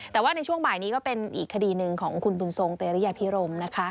แต่ว่าในช่วงบ่ายนี้ก็เป็นอีกคดีหนึ่งของคุณบุญทรงเตรียพิรมนะคะ